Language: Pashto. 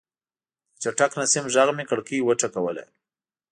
د چټک نسیم غږ مې کړکۍ وټکوله.